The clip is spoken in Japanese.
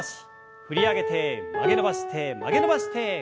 振り上げて曲げ伸ばして曲げ伸ばして振り下ろす。